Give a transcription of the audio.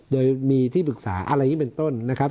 โดยมีที่ปรึกษาอะไรอย่างนี้เป็นต้นนะครับ